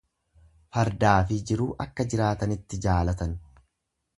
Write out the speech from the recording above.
Fardaafi jiruu akka jiraatanitti jaalatan.